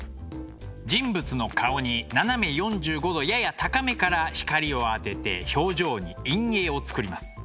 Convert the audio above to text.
人物の顔に斜め４５度やや高めから光を当てて表情に陰影を作ります。